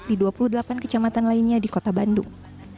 di dua puluh delapan kecamatan lainnya di kota bandung